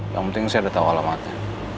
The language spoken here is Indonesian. yang penting saya udah tahu alamatnya